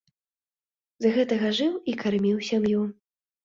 З гэтага жыў і карміў сям'ю.